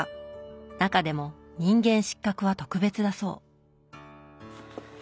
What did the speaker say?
中でも「人間失格」は特別だそう。